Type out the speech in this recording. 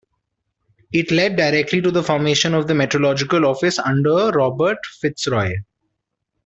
It led directly to the formation of the Meteorological Office under Robert Fitzroy.